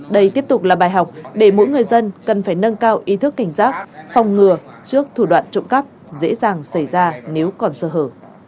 đây tiếp tục là bài học để mỗi người dân cần phải nâng cao ý thức cảnh giác phòng ngừa trước thủ đoạn trộm cắp dễ dàng xảy ra nếu còn sơ hở